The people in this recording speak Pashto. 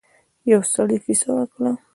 يو سړی کيسه وکړه.